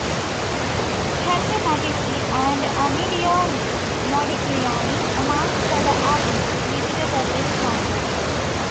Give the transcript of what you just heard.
Henri Matisse and Amedeo Modigliani, amongst other artists, visited at this time.